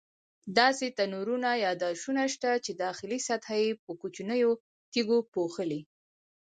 داسې تنورونه یا داشونه شته چې داخلي سطحه یې په کوچنیو تیږو پوښلې.